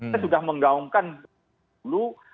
kita juga menggaungkan dulu